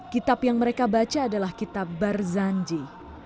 kitab yang mereka baca adalah kitab barzanji